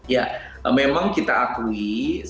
ya memang kita akui